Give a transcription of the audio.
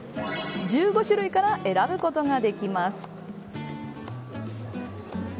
１５種類から選ぶことができます。